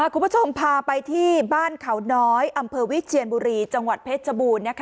คุณผู้ชมพาไปที่บ้านเขาน้อยอำเภอวิเชียนบุรีจังหวัดเพชรบูรณ์